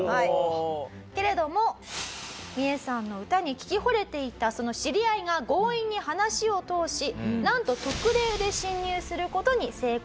けれどもミエさんの歌に聴き惚れていたその知り合いが強引に話を通しなんと特例で侵入する事に成功しました。